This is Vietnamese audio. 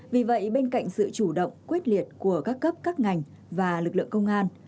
vì vậy bên cạnh sự chủ động quyết liệt của các cấp các ngành và lực lượng công an